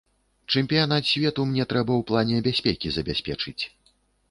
Чэмпіянат свету мне трэба ў плане бяспекі забяспечыць.